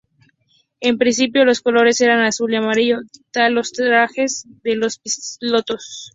En principio, los colores eran azul y amarillo, tal los trajes de los pilotos.